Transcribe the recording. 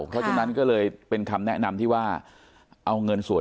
เพราะฉะนั้นก็เลยเป็นคำแนะนำที่ว่า